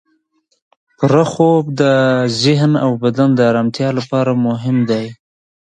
پوره خوب د ذهن او بدن د ارامتیا لپاره مهم دی.